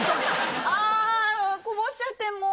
あこぼしちゃってもう。